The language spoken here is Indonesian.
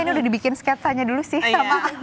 ini udah dibikin sketsanya dulu sih